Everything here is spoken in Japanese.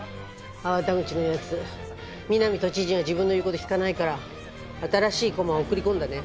粟田口の奴南都知事が自分の言う事聞かないから新しい駒を送り込んだね。